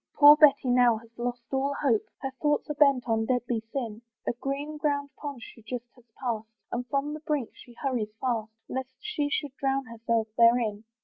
Poor Betty now has lost all hope, Her thoughts are bent on deadly sin; A green grown pond she just has pass'd, And from the brink she hurries fast, Lest she should drown herself therein.